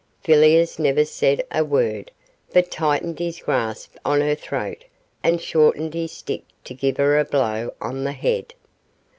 Villiers never said a word, but tightened his grasp on her throat and shortened his stick to give her a blow on the head.